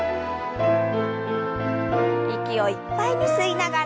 息をいっぱいに吸いながら。